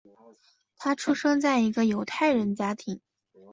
他出生在一个犹太人家庭。